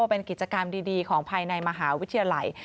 เป็นกิจกรรมดีของภายในมหาวิทยาลัย